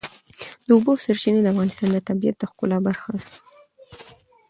د اوبو سرچینې د افغانستان د طبیعت د ښکلا برخه ده.